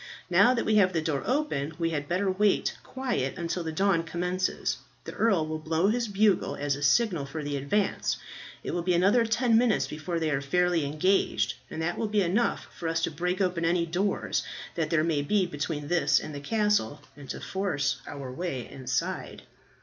Now that we have the door open we had better wait quiet until the dawn commences. The earl will blow his bugle as a signal for the advance; it will be another ten minutes before they are fairly engaged, and that will be enough for us to break open any doors that there may be between this and the castle, and to force our way inside."